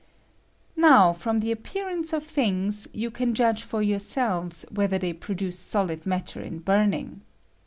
] Now, from the appearance of tliiiigs, you can judge for yourselves whether tliey produce solid matter in burning.